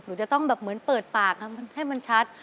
หนูจะต้องแบบเหมือนเปิดปากให้มันชัด